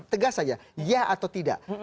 tegas aja ya atau tidak